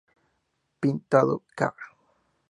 Pintado ca.